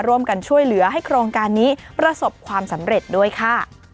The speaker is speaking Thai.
ร่วมกันช่วยเหลือให้โครงการนี้ประสบความสำเร็จด้วยค่ะ